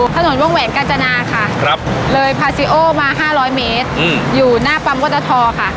ขนวงแหวนกาจนาค่ะครับเลยมาห้าร้อยเมตรอืมอยู่หน้าปั๊มก็ตะทอค่ะ